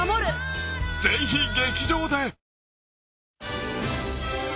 ［ぜひ劇場で］